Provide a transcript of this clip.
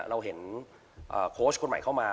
เราเห็นโค้ชคนใหม่เข้ามา